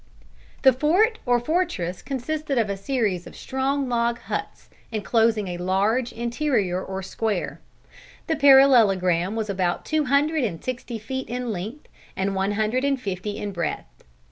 The fort or fortress consisted of a series of strong log huts, enclosing a large interior or square. The parallelogram was about two hundred and sixty feet in length and one hundred and fifty in breadth.